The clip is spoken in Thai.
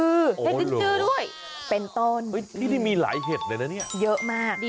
ได้จิ้นจื้อด้วยเป็นต้นนี่มีหลายเห็ดเลยนะเนี่ยเยอะมาก